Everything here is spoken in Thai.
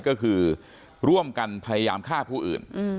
ก็คือร่วมกันพยายามฆ่าผู้อื่น